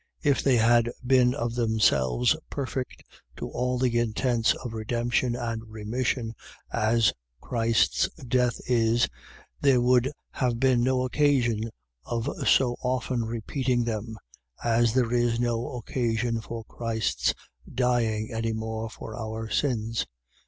. .If they had been of themselves perfect to all the intents of redemption and remission, as Christ's death is there would have been no occasion of so often repeating them: as there is no occasion for Christ's dying any more for our sins.